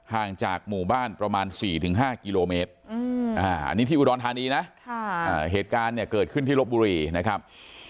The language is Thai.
ห่างจากหมู่บ้านประมาณ๔๕กิโลเมตรอันนี้ที่อุดรธานีนะเหตุการณ์เนี่ยเกิดขึ้นที่ลบบุรีนะครับ